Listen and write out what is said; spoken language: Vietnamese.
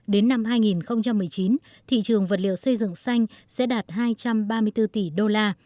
đến năm hai nghìn một mươi chín thị trường vật liệu xây dựng xanh sẽ đạt hai trăm ba mươi bốn tỷ đô la